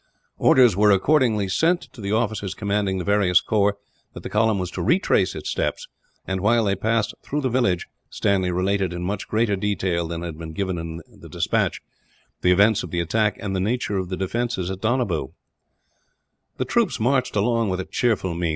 Orders were accordingly sent, to the officers commanding the various corps, that the column was to retrace its steps and, while they passed through the village, Stanley related, in much greater detail than had been given in the despatch, the events of the attack, and the nature of the defences at Donabew. The troops marched along with a cheerful mien.